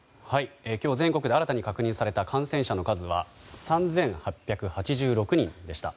今日全国で新たに確認された感染者の数は３８８６人でした。